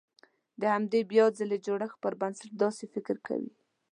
د همدې بيا ځلې جوړښت پر بنسټ داسې فکر کوي.